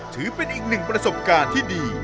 ถือเป็นอีกหนึ่งประสบการณ์ที่ดี